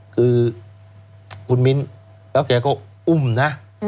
คือคุณมิ้นแล้วแกก็อุ้มนะ